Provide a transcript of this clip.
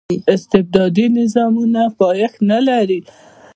استبدادي نظامونه پایښت نه لري.